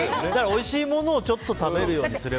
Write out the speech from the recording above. おいしいものをちょっと食べるようにすれば。